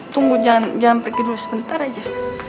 tunggu jangan pergi dulu sebentar aja